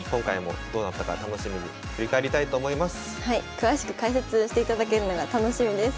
詳しく解説していただけるのが楽しみです。